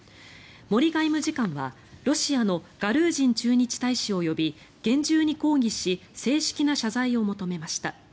森外務次官は、ロシアのガルージン駐日大使を呼び厳重に抗議し正式な謝罪を求めました。